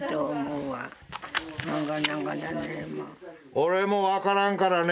俺も分からんからね。